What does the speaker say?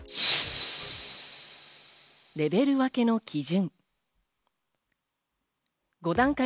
レベル分けの基準。